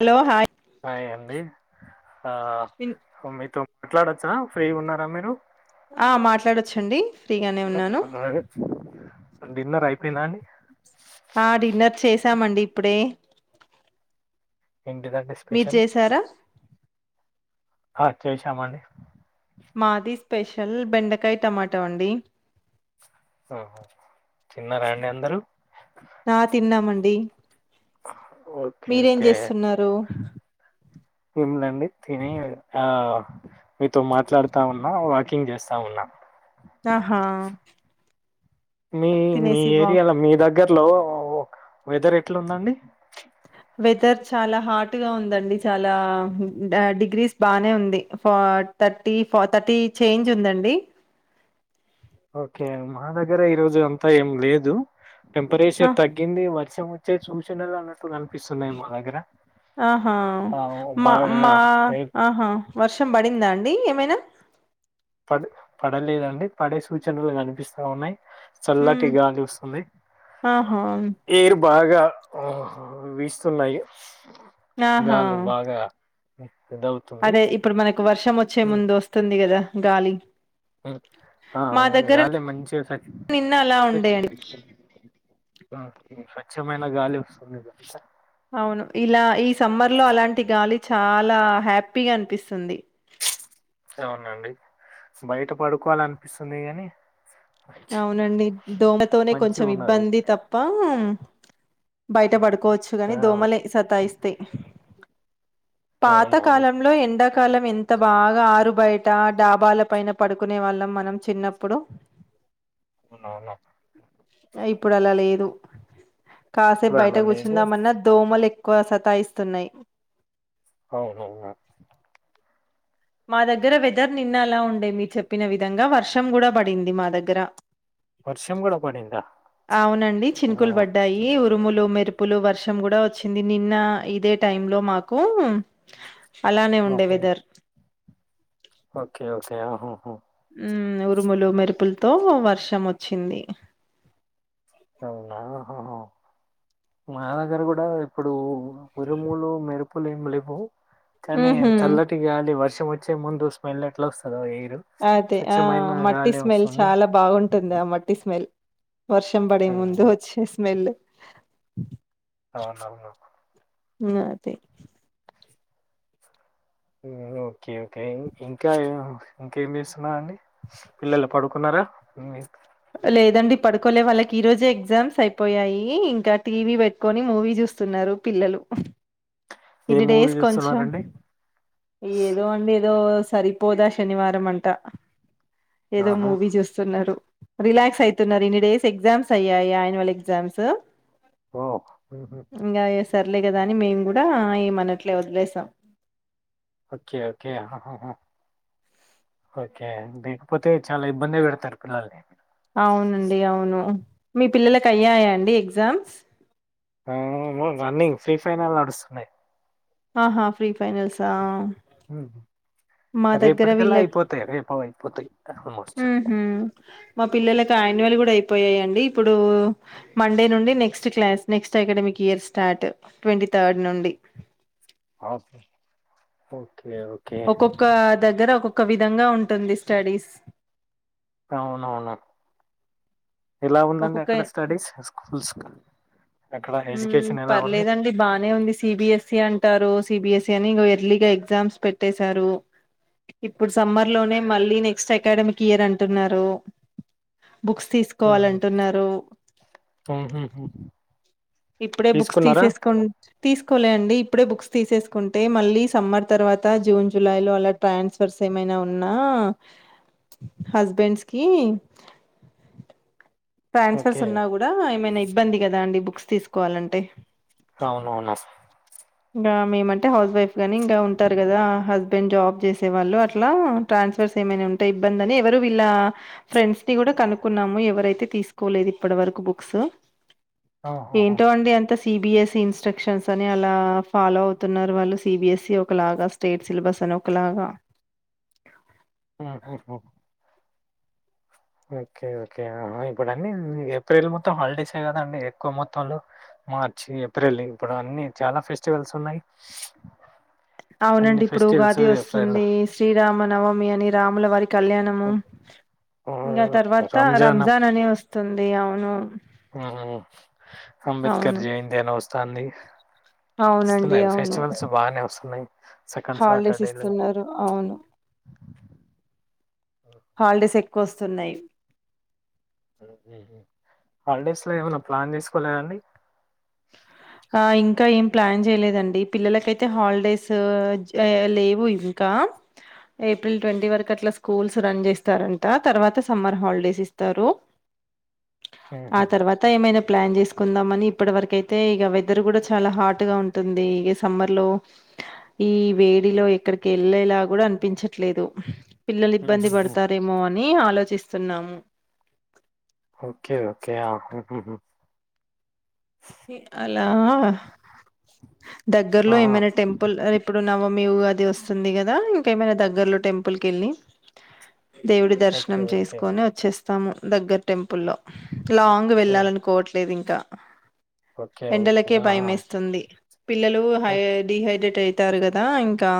Hello hi hi అండి ఆ విన్ మీతో మాట్లాడొచ్చా ఫ్రీ ఉన్నారా మీరు ఆ మాట్లాడొచ్చండి ఫ్రీగానే ఉన్నాను హాయ్ అండీ డిన్నర్ అయిపోయినా అండి ఆ డిన్నర్ చేసామండి ఇప్పుడే ఎంటిదాంట మీరు స్పెషల్ చేసారా ఆ చేయశమండి మాది స్పెషల్ బెండకాయ టమాటో అండి ఆహ చిన్నారండి అందరూ ఆ తిన్నామండి ఓకే మీరేం ఓకే చేస్తున్నారు ఏమిలండి తిని ఆ మీతో మాట్లాడుతా ఉన్నా వాకింగ్ చేస్తా ఉన్నా ఆహా మీ మీ తినేసి వాక్ ఏరియాలో మీ దగ్గరలో వెదర్ ఎట్లాందండి వెదర్ చాలా హాట్గా ఉందండి చాలా డిగ్రీస్ బానే ఉంది ఫ థర్టీ ఫోర్ థర్టీ చేంజ్ ఉందండి ఓకే మా దగ్గర ఈరోజు అంతా ఏం లేదు ఆ, టెంపరేచర్ తగ్గింది వర్షం వ సూచనలు అన్నట్లు కనిపిస్తున్నాయి మా దగ్గర ఆహా ఆ మా మా బాగా ఆహా వర్షం పడిందా అండి ఏమైనా పడ పడలేదండి పడే సూచనలు కనిపిస్తా ఉన్నాయి చల్లటి ఉమ్, గాలి వస్తుంది ఆహా ఏరు బాగా బాగా వీస్తున్నాయి ఆహా గాలి బాగా ఇదవుతుంది అదే ఇప్పుడు మనకు వర్షం వచ్చే ముందు వస్తుంది కదా గాలి ఆ మా దగ్గర గాలి మంచి నిన్న అలా త ఉండేయండి స్వచ్ఛమైన గాలి వస్తుందిదంతా అవును ఇలా ఈ సమ్మర్ లో అలాంటి గాలి చాలా హ్యాపీగా అనిపిస్తుంది అవునండి బయట పడుకోవాల అనిపిస్తుంది ని అవునండి దోమతోనే కొంచెం ఉన్నది ఇబ్బంది తప్ప బయట పడుకోవచ్చు ఆ గాని దోమలే సతాయిస్తే పాత అవునవును కాలంలో ఎండాక కాలం ఎంత బాగా ఆరు బయట డాబాల పైన పడుకునే వాళ్ళం మనం చిన్నప్పుడు అవునవును ఇప్పుడు అలా లేదు కాసేపు ఇప్పుడు బయట అలా లేదు కూర్చుందామన్నా దోమలు ఎక్కువ సతాయిస్తున్నాయి అవునవును మా దగ్గర వెదర్ నిన్న అలా ఉండే మీరు చెప్పిన విధంగా వర్షం కూడా పడింది మా దగ్గర వర్షం కూడా పడిందా అవునండి ఆ చినుకులు పడ్డాయి ఉరుములు మెరుపు ప్పులు వర్షం కూడా వచ్చింది నిన్న ఇదే టైం లో మాకు అలానే ఉండే ఆహా. వెదర్ ఓకే ఓకే ఆహహ ఉరుములు మెరుపులతో వర్షం వచ్చింది అవునా ఓకే మా దగ్గర కూడా ఇప్పుడు ఉరుములు మెరుపులు ఏమి లేవు కానీ ఉహు చల్లటిగా అాలలి వర్ష ముచ్చే ముందు స్మెల్ ఎట్లాల వస్తుద అదతే ఆ మట్టి స్మెల్ చాలా బాగుంటుంది ఆ మట్టి స్మెల్ వర్షం పడి ముందు ఉమ్ వచ్చి స్మెల్ అవును అవును నాద ఓకే ఓకే ఇంకా ఇంకేం చేస్తున్నా అండి పిల్లలు పడుకున్నారు ఆ మీ లేదండి పడుకోలే వాళ్ళకి ఈ రోజే ఎగ్జామ్స్ అయిపోయాయి ఇంకా టీవీ పెట్టుకొని మూవీ చూస్తున్నారు పిల్లలు ఏం ఇన్ని మూవీ డేస్ కొంచెం చూస్తున్నారండి ఏదో అండి ఏదో సరిపోదా శనివారం అంట ఏదో ఆహా మూవీ చూస్తున్నారు రిలాక్స్ అయితున్నారు ఇన్ని డేస్ ఎగ్జామ్స్ అయ్యాయి ఆయాన్యువల్ ఎగ్జామ్స్ ఓ ర్లే కదా అని మేము కూడా ఏమన్నట్లే వదిలేసాం ఓకే ఓకే ఓకె లేకపోతే చాలా ఇబ్బంది పెడతారు పిల్లల్ని అవునండి అవును మీ పిల్లలకు అయ్యాయా అండి ఎగ్జామ్స్ ఆ రన్నింగ్ ఫ్రీ ఫైనల్ నడుస్తున్నాయి ఆహా ఫ్రీ ఫైనల్స్ ఆ ఉమ్. రేపటికల్లా అయిపోతాయి రేపు అయిపోతాయి ఆల్మోస్ట్ ఆన్యువల్ కూడా అయిపోయాయిండి ఇప్పుడు మండే నుండి next class next academic year start అటు ట్వంటీ థర్డ్ నుండి అస్ పోయి ఒక్కొక్క దగ్గర ఒక్కొక్క విధంగా ఉంటుంది స్టడీస్ అవునవును ఎలా ఉందండి ఒక్కొక్క అక్కడ స్టడీస్ స్కూల్స్ అక్కడ ఉమ్ ఎడ్యుకేషన్ ఎలా ఉంది పర్లేదండి బాగానే ఉంది సిబిఎస్సి అంటారు సిబిఎస్ యని ఇగ ఎర్లీగా ఎగ్జామ్స్ పెట్టెసారు. ఇప్పుడు సమ్మర్ లోనే మళ్ళీ నెస్ట్ అకాడమిక్ ఇయర్ అంటున్నారు. బుక్స్ ఉమ్, తీసుకోవాలంటున్నారు. ఉమ్, ఉమ్, ఉమ్. ఇప్పుడే బుక్స్ తీసుకున్నారా తీసేసుకోన్ తీసుకోలే అండి ఇప్పుడే బుక్స్ తీసేసుకుంటే మళ్ళీ సమ్మర్ తర్వాత జూన్ జులై లో అలా ట్రాన్స్ఫర్స్ ఏమైనా ఉన్నా మ్ హస్బెండ్స్ కి ట్రాన్స్ఫర్స్ ఓకే ఉన్నా కూడా ఏమైనా ఇబ్బంది గదా అండి బుక్స్ తీసుకోవాలంటే రౌవునవును నస్ బా మేమంటే హౌస్ వైఫ్ గాని ఇంగా ఉంటారు గదా హస్బెండ్ జాబ్ చేసే వాళ్ళు అట్లా ట్రాన్ ట్రాన్స్ఫర్స్ ఏమైనా ఉంటే ఇబ్బంది ఎవరు వీల్ల ఫ్రెండ్స్ ని గూడా కనుకున్నాం ఎవరైతే తీసుకోలేదు ఇప్పటి వరకు బుక్స్ ఆహాహా. ఏంటో అండి అంత సిబిఎస్సి ఇన్స్ట్రక్షన్స్ అని అలా ఫాలో అవుతున్నారు వాళ్ళు సిబిఎస్ఈ ఒకలాగా స్టేట్ సిలబస్ ఒకలాగా అ హో హో ఓకే ఓకే హ హ ఇప్పుడున్నీ ఏప్రిల్ మొత్తం హాలిడేసే కదండి ఎక్కువ మొత్తంలో మార్చి ఏప్రిల్ ఇప్పుడన్ని చాలా ఫెస్టివల్స్ ఉన్నాయి అన్ని అవునండి ఇప్పుడు ఫెస్టివల్స్ ఉగాది ఏప్రిల్ వస్తుంది శ్రీరామ నవమి అని రాముల వారి కళ్యాణం ము ఉమ్, ఇంగ తర్వాత రంజాన్ అని వస్తుంది అవును మ్మ్ అంబేద్కర్ అవును జయంతి అని వస్తాంది. అవునండి వస్తున్నాయి అవును ఫెస్టివల్స్ బానే వస్తున్నాయ్ సెకండ్ హాలిడేస్ సాటర్డేలు ఇస్తున్నారు అవును హాలిడేస్ ఎక్కువ వస్తున్నాయి హాలిడేస్ లో ఏమన్నా ప్లాన్ చేసుకోలేదండి ఆ ఇంకా ఏం ప్లాన్ చేయలేదండి పిల్లలకైతే హాలిడేస్ లేవు ఇంకా ఏప్రిల్ ట్వంటీ వరకు అట్లా స్కూల్స్ రన్ చేస్తారంట తర్వాత సమ్మర్ హాలిడేస్ ఇస్తారు. ఆ తర్వాత ఏమైనా ప్లాన్ చేసుకుందాంమని ఇప్పటి వరకు అయితే ఇగ వెదర్ కూడా చాలా హాట్ గా ఉంటుంది ఇ సమ్మర్ లో ఈ వేడిలో ఎక్కడికి వెళ్ళేలా గూడా అనిపించట్లేదు పిల్లలు ఇబ్బంది పడతారేమో అని ఆలోచిస్తున్నాము. ఓకే ఓకే ఆ ఉహు హు ఇ అలా దగ్గర్లో ఏమైనా టెంపుల్ ఇప్పుడు నవమి ఉగాది వస్తుంది గదా ఇంకేమైనా దగ్గర్లో టెంపుల్ కి కెళ్ళి దేవుడి దర్శనం ఓకే చేసుకొని వచ్చేస్తాము దగ్గర టెంపుల్ల్లో లాంగ్ వెళ్ళాలనుకోవట్లేదు ఇంకా ఓకే ఓకే ఎండలకే భయ ఏస్తుంది పిల్లలు హై డిహైడ్రేట్ అయి ఇత్తరు గదా ఇంకా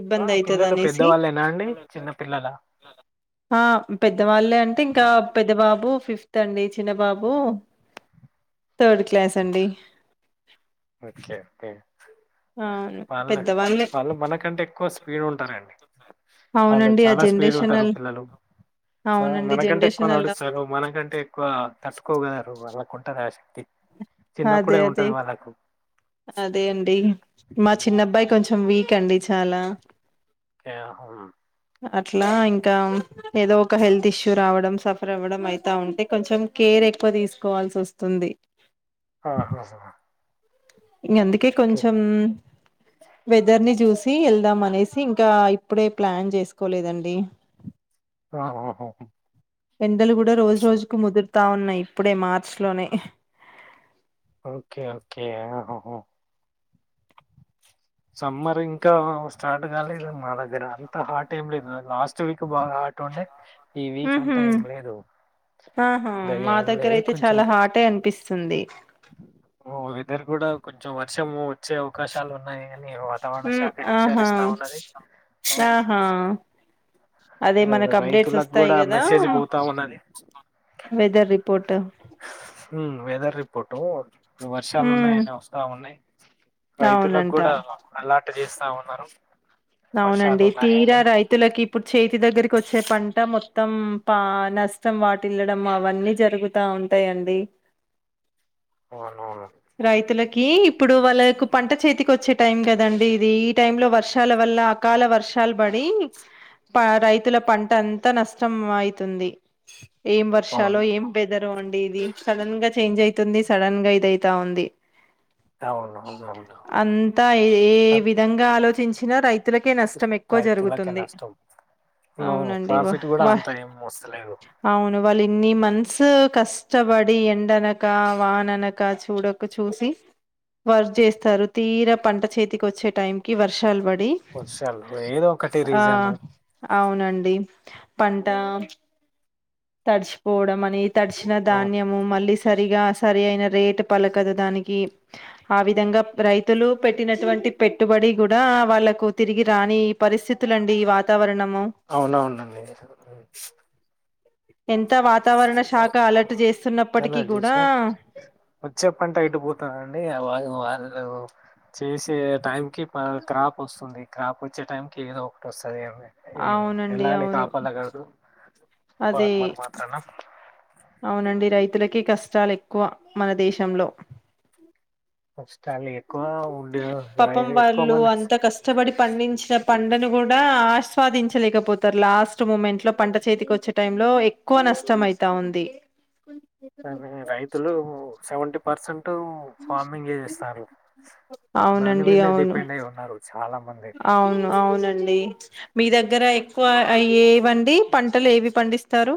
ఇబ్బంది అవుదాయితది పిల్లలు అనేసి పెద్దవాళ్ళేనా అండి చిన్న పిల్లల ఆ పెద్దవాళ్ళే అంటే ఇంకా పెద్ద బాబు ఫిఫ్త్ అండి చిన్నబాబు థర్డ్ క్లాస్ అండి ఒకే ఒకే అవును వాళ్ళు పెద్దవాళ్ళే వాళ్ళు మనకంటే ఎక్కువ స్పీడ్ ఉంటారండి వాళ్ళు అవునండి ఆ చాలా స్పీడ్ ఉంటారు జనరేషనల్ పిల్లలు స అవునండి మనకంటే ఎక్కువ జనరేషన్ అలా నడుస్తారు మనకంటే ఎక్కువ [inaudible] ఉంట ఆశక్తి చిన్నప్పుడు అదే ఏం అదే ఉంటది వాళ్ళకు అదే అండి మా చిన్నబ్బాయి కొంచెం వీక్ అండి చాలా ఓకే అట్లా ఇంకా ఏదో ఒక హెల్త్ ఇష్యూ రావడం సఫర్ అవ్వడం అయిత ఉంటే కొంచెం కేర్ ఎక్కువ తీసుకోవాల్సి వస్తుంది అంది ఆహ ఇం అందుకే కొంచం వెదర్ ని చూసి వెళ్దాం అనేసి ఇంకా ఇప్పుడే ప్లాన్ చేసుకోలేదండి ఆహ ఒహొ ఎండలు కూడా రోజు రోజుకు ముదురుతా ఉన్నాయి ఇప్పుడే మార్చ లోనే ఓకే ఓకే ఆహహ సమ్మర్ ఇంకా స్టార్ట్గాలిద మా దగ్గర అంత హాట్ టైం లే ఇద లాస్ట్ వీక్ బాగా అట్టున్నాయ్ ఈ వీక్ ఉహు అంతా ఏం లేదు ఆహా పెద్దగా మా ఏం దగ్గర అయితే చాలా హాటే అనిపిస్తుంది ఓ వెదర్ కూడా కొంచెం వర్షము వచ్చే అవకాశాలు ఉన్నాయి న వాతావరణ మ్మ్ శాఖ ఆహా హెచ్చరిస్తా ఉన్నది అవును ఆహా అదే మనకు అప్డేట్స్ రైతులకు వస్తాయి కూడా కదా మెసేజ్ పోతా ఉన్నది వెదర్ రిపోర్ట్ ఉ వెదర్ రిపోట వర్షాలు మ్మ్ ఉన్నాయని వస్తా ఉన్నాయి రైతులకు అవునంట కూడా అలాంటి పంట చేస్తా ఉన్నారు వర్షాలు అవునండి ఉన్నాయని తీరా రైతులకి ఇప్పుడు చేతి దగ్గరికి వచ్చే పంట మొత్ త్తం పా నష్టం వాటిల్లడం అవన్నీ జరుగుతా ఉంటాయిండి అవునవును కి ఇప్పుడు వాళ్ళకు పంట చేతికి వచ్చే టైం కదండి ఇది ఈ టై లో వర్షాల వల్ల అకాల వర్షాలు బడి ప రైతుల పంట అంతా నష్టం అయితుంది ఏం వర్షలో అవును ఏం పె వదరో అండి ఇది సడన్ గా చేంజ్ అవుతుంది సడన్ గా ఇదయితా ఉంది అవునవునవును అంతా ఏ ఏ విధంగా ఆలోచించినా రైతు తులకే నష్టం ఎక్కువ రైతులకే జరుగుతుంది నష్టం నువ్వు అవునండి వా ప్రాఫిట్ కూడా బ అంత ఏం వస్తలేదు అవును వాళ్ళ ఇన్ని మన్సు కష్టపడి ఎండనక వాననక చూడక చూసి వర్ చేస్తారు తీరా పంట చేతికి వచ్చే టైం కి వర్షాలు పడి వసలు ఏదో ఒకటి ఆ రీజన్ అవునండి పంట తడిచిపోవడం అనే తడిచిన ధాన్యము మళ్ళీ సరిగా సరి అయిన రేటు పలకదు దానికి ఆ విధంగా రైతులు పెట్టినటువంటి పెట్టుబడి కూడా వాళ్ళలకు తిరిగి రాని పరిస్థితులు అండి ఈ వాతావరణం అవునవునండి ఎంత వాతావరణ శాఖ అలర్ట్ చేస్తున్నప్పటికీ అలర్ట్ కూడా చేసిన వచ్చే పంటే ఎటు పోతదండి వాళు వాళ్ళు చేసే టైం కి క్రాప్ వస్తుంది క్రాప్ వచ్చే టైంకి ఏదో ఒకటి వస్తుంది అదే అ అవునండి ఎలానే అవును కాపాలాగదు అదే ఫార్మర్ మార్ అవునండి రైతులకి కష్టాలు ఎక్కువ మన దేశంలో [unintelligible] ఉండే పాపం రై- ఎక్కువ వాళ్ళు మంది అంత కష్టపడి పండించిన పండను కూడా ఆస్వాదించలేకపోతారు లాస్ట్ మూమెంట్ లో పంట చేతికి వచ్చే టైం లో ఎక్కువ నష్టం అయితా ఉంది అదే రైతులూ సెవెంటీ పర్సెంట్ టూ ఫార్మింగే చేస్తారు దాని అవునండి మీదే అవును డిపెండ్ అయి ఉన్నారు చాలా మంది అవును అవునండి మీ దగ్గర ఎక్కువ అ ఏవండి పంటలు ఏవి పండిస్తారు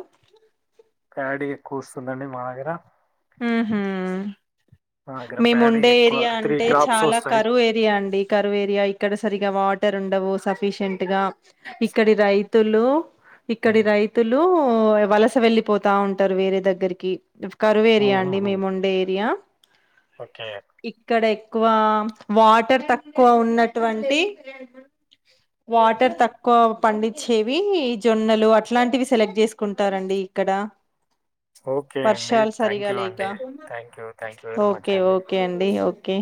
ప్యాడీ ఎక్కువస్తుందండి మా దగ్గర ఆహా ఆ మేముండే ఏరియా అంటే చాలా వస్తాయి కరువు ఏరియా అండి కరువేరియా ఇక్కడ సరిగా వా టరుండవు సఫీషియంట్ గా ఇక్కడి రైతులు ఇక్కడి రైతులూ వలస వెళ్ళిపోతావుంటరు వేరే దగ్గరికి ఓహో ఓకే ఇక్కడె క్కువా వాటర్ తక్కువ ఉన్నటువంటి వాటర్ తక్కువ పండిచ్చేవీ జొన్నలు అట్లాంటివి సెలెక్ట్ జేసుకుంటారండి ఇక్కడా ఓఖే అండి థ్యాంక్యూ అండి థ్యాంక్యు థ్యాంక్యూ వెరీ మచ్ అండి కె ఒకే